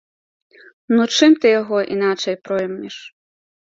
Ну, чым ты яго іначай проймеш?